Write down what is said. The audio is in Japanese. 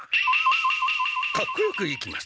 かっこよくいきます！